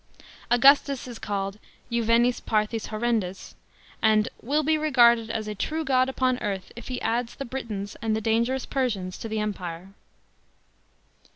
Augustus is called juvenis Parthis horrendus,% and "will be regarded as a true god upon earth if he adds the Britons and the dangerous Persians to the etnpire."